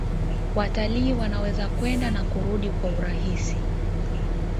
Watalii wanaweza kwenda na kurudi kwa urahisi